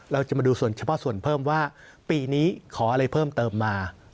เราจะมาดูส่วนเฉพาะส่วนเพิ่มว่าปีนี้ขออะไรเพิ่มเติมมา